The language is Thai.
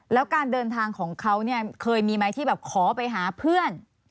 แล้วการเดินทางของเขาเนี่ยเคยมีไหมที่แบบขอไปหาเพื่อน